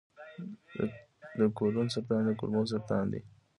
د کولون سرطان د کولمو سرطان دی.